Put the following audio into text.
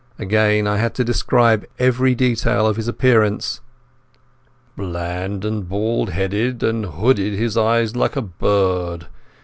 Again I had to describe every detail of his appearance. "Bland and bald headed and hooded his eyes like a bird....